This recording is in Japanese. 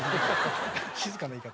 静かな言い方。